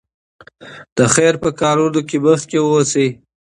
د خیر په کارونو کې وړاندې اوسئ.